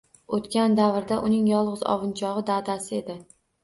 O'tgan davrda uning yolg'iz ovunchog'i dadasi edi